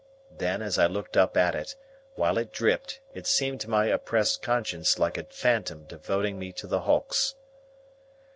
Then, as I looked up at it, while it dripped, it seemed to my oppressed conscience like a phantom devoting me to the Hulks.